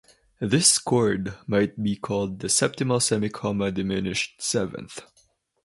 This chord might be called the "septimal semicomma diminished seventh".